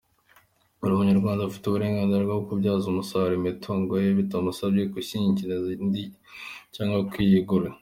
Buri munyarwanda afite uburenganzira bwo kubyaza umusaruro imitungo ye bitamusabye kwishyingikiriza undi cyangwa kwigura.